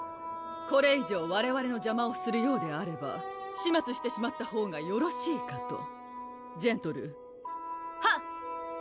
これ以上われわれの邪魔をするようであれば始末してしまったほうがよろしいかとジェントルーはっ！